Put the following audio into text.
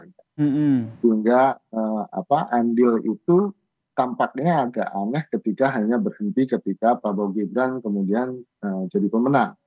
sehingga andil itu tampaknya agak aneh ketika hanya berhenti ketika prabowo gibran kemudian jadi pemenang